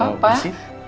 gara gara itu bersih